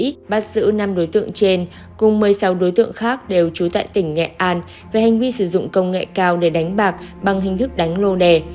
bắt giữ năm đối tượng trên cùng một mươi sáu đối tượng khác đều trú tại tỉnh nghệ an về hành vi sử dụng công nghệ cao để đánh bạc bằng hình thức đánh lô đề